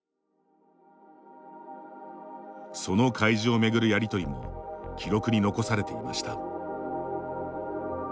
その開示を巡るやりとりも記録に残されていました。